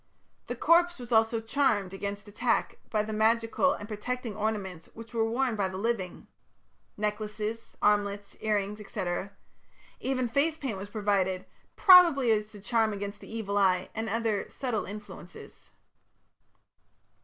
The corpse was also charmed, against attack, by the magical and protecting ornaments which were worn by the living necklaces, armlets, ear rings, &c. Even face paint was provided, probably as a charm against the evil eye and other subtle influences.